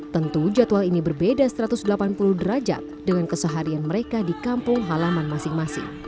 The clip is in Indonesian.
tentu jadwal ini berbeda satu ratus delapan puluh derajat dengan keseharian mereka di kampung halaman masing masing